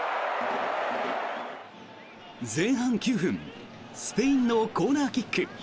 前半９分スペインのコーナーキック。